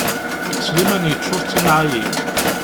Sliman yeččur d timɛayin.